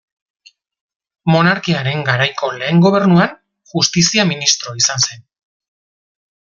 Monarkiaren garaiko lehen gobernuan, Justizia ministro izan zen.